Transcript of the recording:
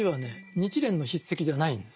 日蓮の筆跡じゃないんです。